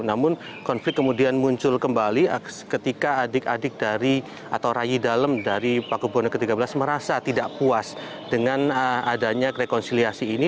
namun konflik kemudian muncul kembali ketika adik adik dari atau ray dalem dari paku buwono ke tiga belas merasa tidak puas dengan adanya rekonsiliasi ini